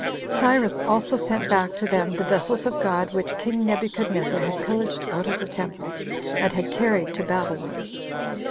Cyrus also sent back to them the vessels of God which king Nebuchadnezzar had pillaged out of the temple, and had carried to Babylon.